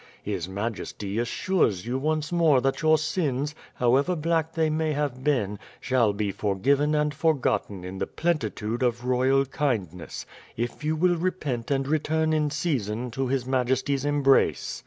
His majesty assures you once more that your sins, however black they may have been, shall be forgiven and forgotten in the plentitude of royal kindness, if you will repent and return in season to his majesty's embrace.